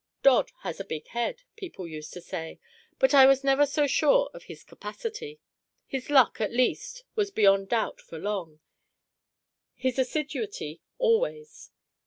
"Dodd has a big head," people used to say; but I was never so sure of his capacity. His luck, at least, was beyond doubt for long; his assiduity, always.